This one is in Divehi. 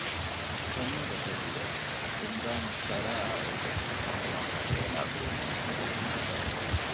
ކޮންމެ ގޮތެއްވިޔަސް ޢިމްރާން ސަރާއާއެކު ފޮނުވާކަށް އޭނާ ބޭނުމެއް ނުވެ